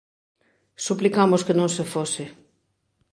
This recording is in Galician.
Suplicamos que non se fose.